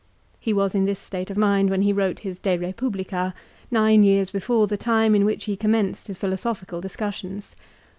He was in this state of mind when he wrote his " De Eepublica," nine years before the time in which he commenced his philosophi cal discussions.